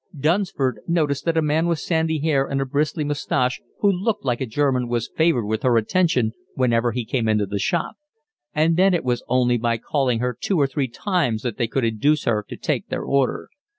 Dunsford noticed that a man with sandy hair and a bristly moustache, who looked like a German, was favoured with her attention whenever he came into the shop; and then it was only by calling her two or three times that they could induce her to take their order.